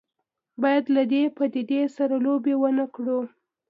باید له دې پدیدې سره لوبې ونه کړو.